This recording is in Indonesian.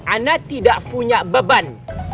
ana tidak punya beban